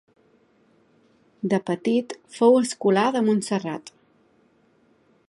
De petit fou escolà de Montserrat.